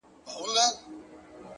باور کمزوری وي نو حرکت ماتېږي،